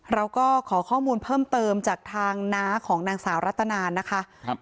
เราก็ขอข้อมูลเพิ่มเติมจากทางน้าของนางสาวรัตนานะคะ